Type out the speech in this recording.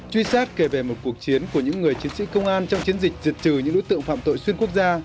truy sát kể về một cuộc chiến của những người chiến sĩ công an trong chiến dịch diệt trừ những đối tượng phạm tội xuyên quốc gia